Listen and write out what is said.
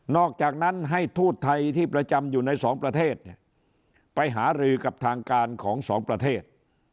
อกจากนั้นให้ทูตไทยที่ประจำอยู่ในสองประเทศไปหารือกับทางการของสองประเทศ